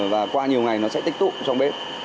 và qua nhiều ngày nó sẽ tích tụ trong bếp